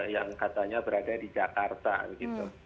yang katanya berada di jakarta gitu